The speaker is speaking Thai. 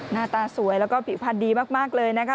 หน้าตาสวยแล้วก็ผิวพันธ์ดีมากเลยนะคะ